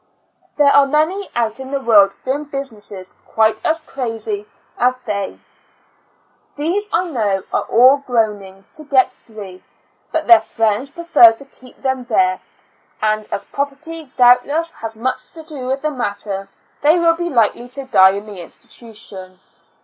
There are many out in the world doing business quite as crazy as they. These, I know, are all groaning to get free, but their friends prefer to keep them there, and as property doubtless has much to do with the matter, they will be likely to die in the institution.